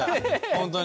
本当に。